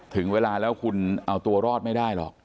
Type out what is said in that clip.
ถึงเวลาแล้วคุณเอาตัวรอดไม่ได้หรอก